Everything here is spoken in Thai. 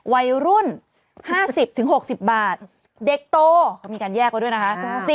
วัยรุ่น๕๐๖๐บาทเด็กโตเขามีการแยกไว้ด้วยนะคะ